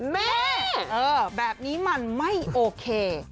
แม่แบบนี้มันไม่โอเค